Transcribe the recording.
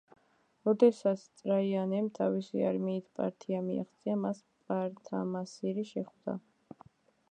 როდესაც ტრაიანემ თავისი არმიით პართია მიაღწია, მას პართამასირი შეხვდა.